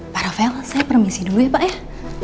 para vel saya permisi dulu ya pak ya